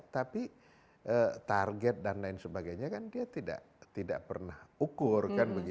tapi target dan lain sebagainya kan dia tidak pernah ukur